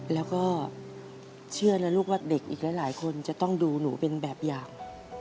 แล้วก็เชื่อนะลูกว่าเด็กอีกหลายคนจะต้องดูหนูเป็นแบบอย่าง